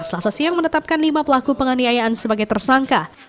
selasa siang menetapkan lima pelaku penganiayaan sebagai tersangka